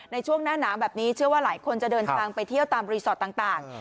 ในช่วงหน้าหนาวแบบนี้เชื่อว่าหลายคนจะเดินทางไปเที่ยวตามรีสอร์ทต่าง